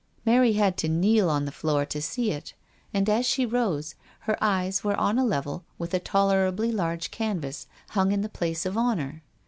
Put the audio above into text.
Mary had to kneel on the floor to see it, and as she rose, her eyes were on a level with a tolerably large canvas, hung in the place of honour.